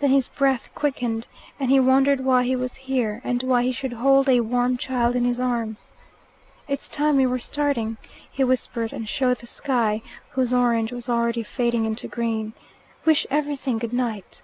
Then his breath quickened, and he wondered why he was here, and why he should hold a warm child in his arms. "It's time we were starting," he whispered, and showed the sky, whose orange was already fading into green. "Wish everything goodnight."